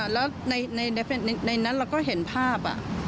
แล้วในนั้นเราก็เห็นภาพ